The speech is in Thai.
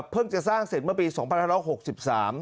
เพิ่งจะสร้างเสร็จเมื่อปี๔๖๓